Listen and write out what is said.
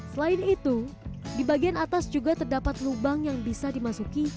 selain itu di bagian atas juga terdapat lubang yang bisa dimasuki